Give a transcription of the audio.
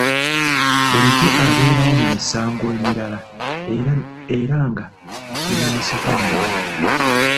Bulijjo abeerawo mu misango emirala era nga ne mu Masaka mwali.